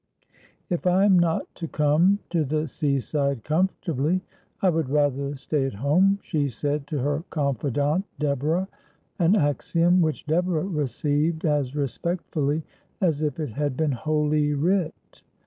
' If I am not to come to the sea side comfortably I would rather stay at home,' she said to her confidante Deborah ; an axiom which Deborah received as respectfully as if it had been Holy Writ.